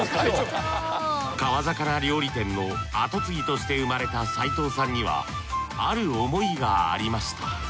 川魚料理店の跡継ぎとして生まれた藤さんにはある思いがありました